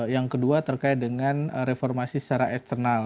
yang kedua terkait dengan reformasi secara eksternal